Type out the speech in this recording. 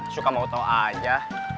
suka mau tau aja